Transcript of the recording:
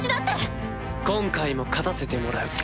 今回も勝たせてもらう！